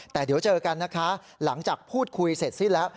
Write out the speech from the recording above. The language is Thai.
แต่เดี๋ยวเจอกันนะคะหลังจากพูดคุยเสร็จสิ้นแล้ว